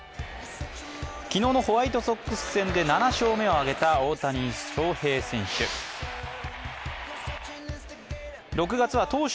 昨日のホワイトソックス戦で７勝目を挙げた大谷翔平選手